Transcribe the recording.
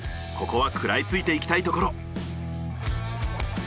ここは食らいついていきたいところ。